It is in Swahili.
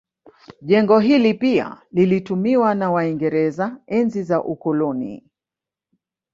Jengo hili pia lilitumiwa na waingereza enzi za ukoloni